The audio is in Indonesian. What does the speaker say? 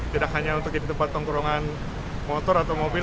tidak hanya untuk di tempat tengkurongan motor atau mobil